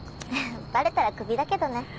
ばれたらクビだけどね。